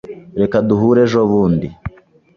Reka duhure ejobundi.